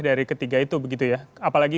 dari ketiga itu begitu ya apalagi